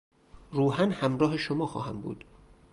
روحا همراه شما خواهم بود.